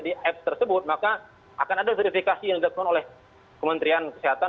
di apps tersebut maka akan ada verifikasi yang dilakukan oleh kementerian kesehatan